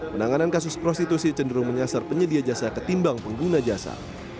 penanganan kasus prostitusi cenderung menyasar penyedia jasa ketimbang pengguna jasa